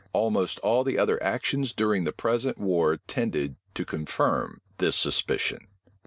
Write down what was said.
Almost all the other actions during the present war tended to confirm this suspicion.